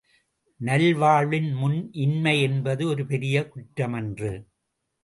நல்வாழ்வின் முன் இன்மை என்பது ஒரு பெரிய குற்றமன்று.